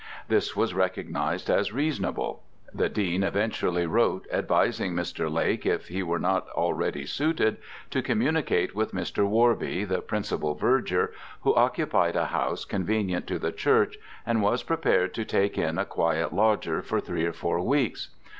This was recognized as reasonable. The Dean eventually wrote advising Mr. Lake, if he were not already suited, to communicate with Mr. Worby, the principal Verger, who occupied a house convenient to the church and was prepared to take in a quiet lodger for three or four weeks.